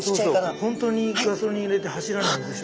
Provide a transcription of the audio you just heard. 本当にガソリン入れて走らないでしょ。